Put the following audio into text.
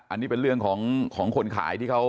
อันนี้เป็นเรื่องของคนขายที่เขา